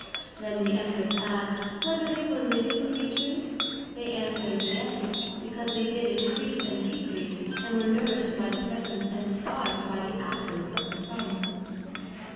Then the Empress asked, Whether they were living Creatures? They answered, Yes: Because they did encrease and decrease, and were nourished by the presence, and starved by the absence of the Sun.